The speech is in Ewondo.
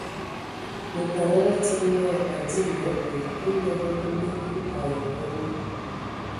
Bǝtada bə tsig naa a adzib ya abui. Ndɔ hm bə ligi ai nye we.